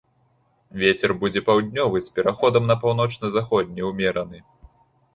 Вецер будзе паўднёвы з пераходам на паўночна-заходні ўмераны.